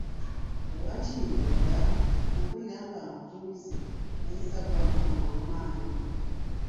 Olwakimbuulira, nawulira nga mpunze naye ssaggwaamu mangu maanyi.